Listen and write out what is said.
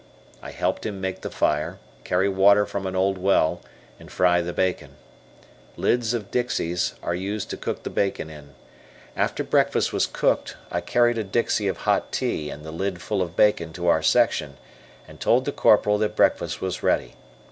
I helped him make the fire, carry water from an old well, and fry the bacon. Lids of dixies are used to cook the bacon in. After breakfast was cooked, I carried a dixie of hot tea and the lid full of bacon to our section, and told the Corporal that breakfast was ready.